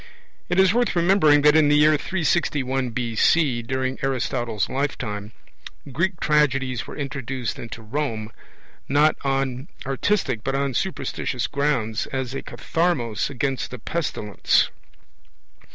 It is worth remembering that in the year 361 B.C., during Aristotle's lifetime, Greek tragedies were introduced into Rome, not on artistic but on superstitious grounds, as a katharmos against a pestilence (Livy vii.